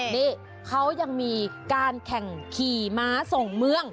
นี่เขายังมีการแข่งขี่ม้าส่งเมือง